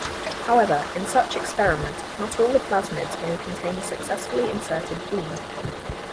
However, in such experiment, not all the plasmids may contain a successfully inserted gene.